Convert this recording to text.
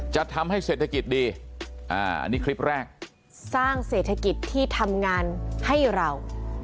จะทำให้เศรษฐกิจดีอันนี้คลิปแรกสร้างเศรษฐกิจที่ทำงานให้เรา